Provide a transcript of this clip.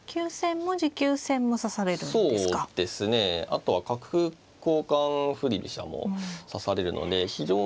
あとは角交換振り飛車も指されるので非常にですね